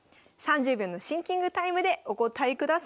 ３０秒のシンキングタイムでお答えください。